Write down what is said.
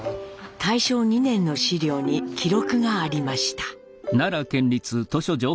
大正２年の資料に記録がありました。